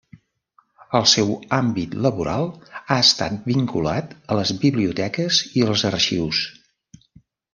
El seu àmbit laboral ha estat vinculat a les biblioteques i els arxius.